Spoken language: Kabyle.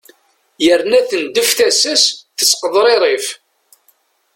yerna tneddef tasa-s tettqeḍririf